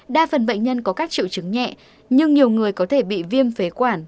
đa phần bệnh nhân có các triệu chứng nhẹ nhưng nhiều người có thể bị viêm phế quản